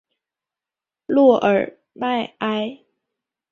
洛尔迈埃。